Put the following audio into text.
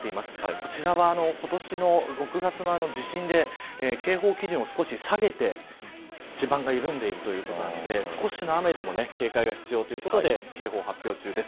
こちらは今年の６月の地震で警報基準を少し下げて地盤が緩んでいるということなので少しの雨でも警戒が必要ということで警報発表中です。